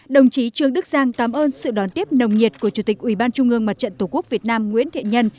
đồng chí trương đức giang cảm ơn sự đón tiếp nồng nhiệt của chủ tịch ủy ban trung ương mặt trận tổ quốc việt nam nguyễn thiện nhân